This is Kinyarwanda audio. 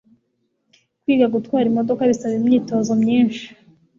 Kwiga gutwara imodoka bisaba imyitozo myinshi.